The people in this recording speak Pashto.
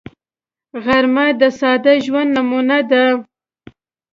غرمه د ساده ژوند نمونه ده